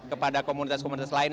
kepada komunitas komunitas lain